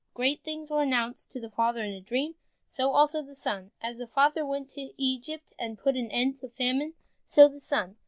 Great things were announced to the father in a dream, so also to the son. As the father went to Egypt and put an end to famine, so the son.